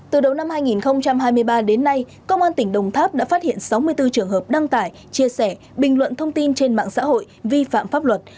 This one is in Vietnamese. từ đầu năm hai nghìn hai mươi ba đến nay công an tỉnh đồng tháp đã phát hiện sáu mươi bốn trường hợp đăng tải chia sẻ bình luận thông tin trên mạng xã hội vi phạm pháp luật